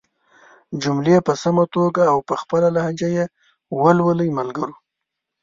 جملې په سمه توګه او په خپله لهجه ېې ولولئ ملګرو!